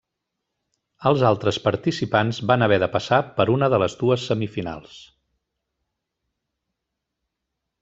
Els altres participants van haver de passar per una de les dues semifinals.